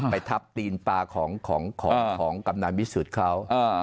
ไปทับตีนปลาของกำนันวิสุทธิ์เขา